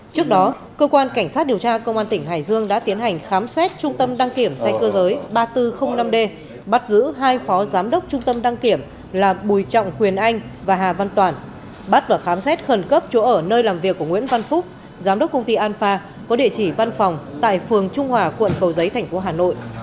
trước đó cơ quan cảnh sát điều tra công an tỉnh hải dương đã tiến hành khám xét trung tâm đăng kiểm xe cơ giới ba nghìn bốn trăm linh năm d bắt giữ hai phó giám đốc trung tâm đăng kiểm là bùi trọng quyền anh và hà văn toàn bắt và khám xét khẩn cấp chỗ ở nơi làm việc của nguyễn văn phúc giám đốc công ty an pha có địa chỉ văn phòng tại phường trung hòa quận cầu giấy thành phố hà nội